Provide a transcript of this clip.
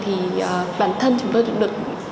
thì bản thân chúng tôi cũng được